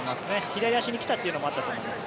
左足に来たというのもあったと思います。